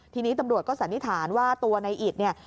ทีนี้ตำรวจก็สันนิษฐานว่าตัวในอิตเนี่ย